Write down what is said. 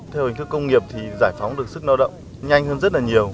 theo hình thức công nghiệp thì giải phóng được sức lao động nhanh hơn rất là nhiều